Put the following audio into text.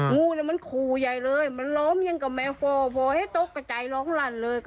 งูน่ะมันคูใหญ่เลยมันร้อมอย่างกับแม่ฟอร์บอกให้ตกก็ใจร้องรั่นเลย